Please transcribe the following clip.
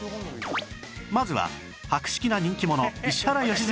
まずは博識な人気者石原良純くん